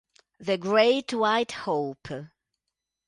The Great White Hope